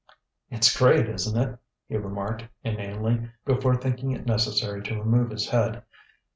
"It's great, isn't it!" he remarked inanely, before thinking it necessary to remove his head.